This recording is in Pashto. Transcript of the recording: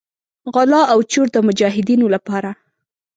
غلا او چور د مجاهدینو لپاره.